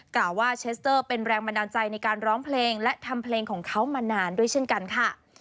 กล่าวว่าเชสเตอร์เป็นแรงบันดาลใจในการร้องเพลงและทำเพลงของเขามานานด้วยเช่นกันค่ะ